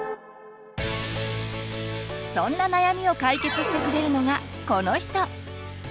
そんな悩みを解決してくれるのがこの人！